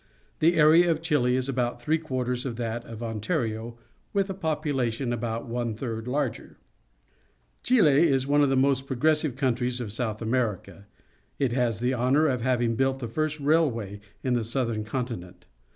The area of Chile is about three quarters of that of Ontario, with a population about one third larger. Chile is one of the most progressive coun tries of South America. It has the honour of having built the first railway in the southern continent.